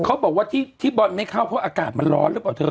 เขาบอกว่าที่บอลไม่เข้าเพราะอากาศมันร้อนหรือเปล่าเธอ